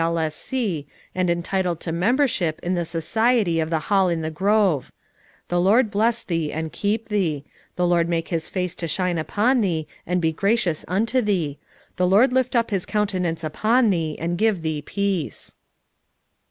and entitled to membership in the Society of the Hall in the Grove, "The Lord bless thee and keep thee ; the Lord make his face to shine upon thee and be gracious unto thee ; the Lord lift up his counte nance upon thee, and give thee peace.